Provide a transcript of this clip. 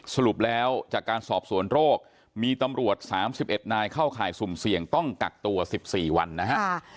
สรุปแล้วจากการสอบสวนโรคมีตำรวจ๓๑นายเข้าข่ายสุ่มเสี่ยงต้องกักตัว๑๔วันนะครับ